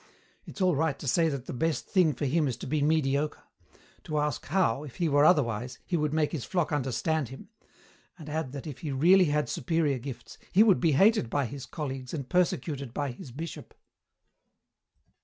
It's all right to say that the best thing for him is to be mediocre; to ask how, if he were otherwise, he would make his flock understand him; and add that if he really had superior gifts he would be hated by his colleagues and persecuted by his bishop."